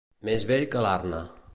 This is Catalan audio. Més vell que l'arna.